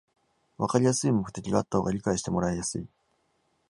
わかりやすい目的があった方が理解してもらいやすい